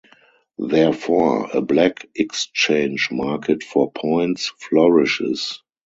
Therefore, a black exchange market for points flourishes.